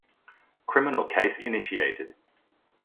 Criminal case initiated.